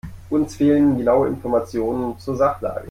Uns fehlen genaue Informationen zur Sachlage.